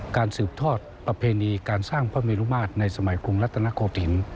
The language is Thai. สืบทอดประเพณีการสร้างพระเมรุมาตรในสมัยกรุงรัฐนโกศิลป์